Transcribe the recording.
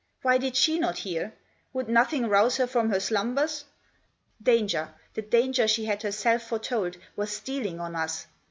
Why did she not hear? Would nothing rouse her from her slumbers ? Danger, the danger she had herself fore told, was stealing on us.